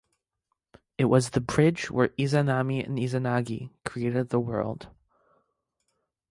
It was the bridge where Izanami and Izanagi created the world.